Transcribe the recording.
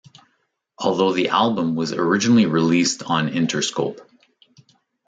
Although the album was originally released on Interscope.